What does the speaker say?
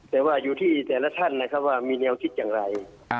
แต่ว่าอยู่ที่แต่ละท่านนะครับว่ามีแนวคิดอย่างไร